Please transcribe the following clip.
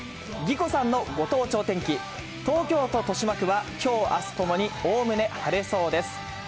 ぎこさんのご当地お天気、東京都豊島区はきょう、あすともにおおむね晴れそうです。